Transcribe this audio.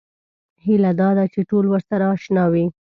هیله دا ده چې ټول ورسره اشنا وي.